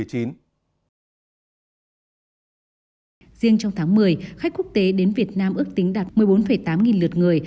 riêng trong tháng một mươi khách quốc tế đến việt nam ước tính đạt một mươi bốn tám nghìn lượt người